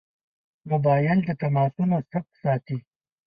موبایل د تماسونو ثبت ساتي.